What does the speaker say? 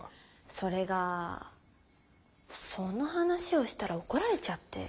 それがその話をしたら怒られちゃって。